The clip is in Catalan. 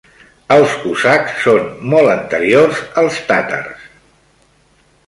Els cosacs són molt anteriors als tàtars.